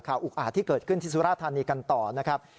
ข่าวอุกอ่าที่เกิดขึ้นที่สุรธารณีกันต่อนะครับ